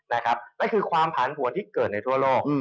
นั่นคือความผันผวนที่เกิดในทั่วโลก